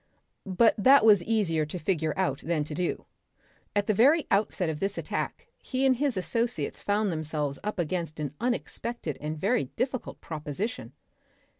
But that was easier to figure out than to do. At the very outset of this attack he and his associates found themselves up against an unexpected and very difficult proposition....